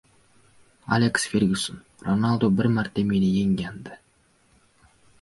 Aleks Fergyuson: "Ronaldu bir marta meni yenggandi"